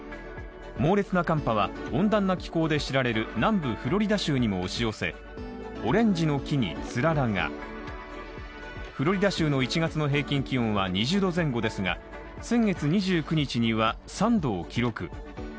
猛烈な寒波は温暖な気候で知られる南部フロリダ州にも押し寄せ、オレンジの木につららがフロリダ州の１月の平均気温は２０度前後ですが、先月２９日には３度を記録。